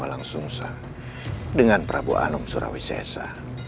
rade walang sungsang dengan prabu anung surawisesa